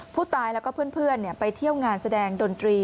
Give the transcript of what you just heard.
ผู้ตายแล้วก็เพื่อนไปเที่ยวงานแสดงดนตรี